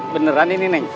beneran ini neng